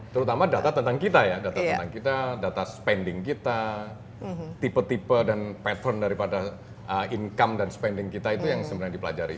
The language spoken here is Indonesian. terutama data tentang kita ya data tentang kita data spending kita tipe tipe dan patron daripada income dan spending kita itu yang sebenarnya dipelajari